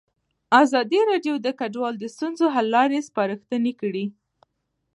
ازادي راډیو د کډوال د ستونزو حل لارې سپارښتنې کړي.